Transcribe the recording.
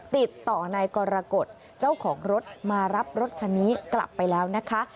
ติดต่อนายกรกฎเจ้าของรถมารับรถคันนี้กลับไปแล้วนะคะ